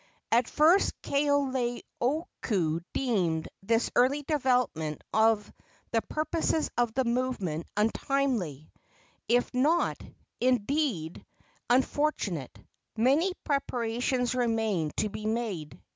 At first Kaoleioku deemed this early development of the purposes of the movement untimely, if not, indeed, unfortunate. Many preparations remained to be made.